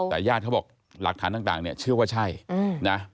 แต่ญาติเขาบอกหลักฐานต่างเนี่ยเชื่อว่าใช่นะ